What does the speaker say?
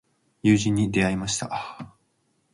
友人に出会いました。